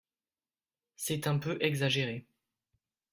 C’est un peu exagéré